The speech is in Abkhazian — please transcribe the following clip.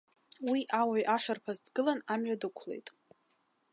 Уи ауаҩ ашарԥаз дгылан амҩа дықәлеит.